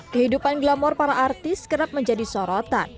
kehidupan glamor para artis kerap menjadi sorotan